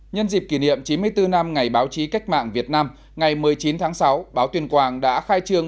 nhân dịp kỷ niệm chín mươi bốn năm ngày báo chí cách mạng việt nam ngày một mươi chín tháng sáu báo tuyên quang đã khai trương